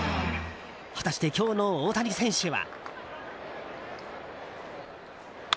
果たして、今日の大谷選手は？